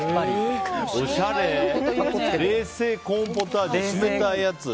冷製コーンポタージュ冷たいやつ。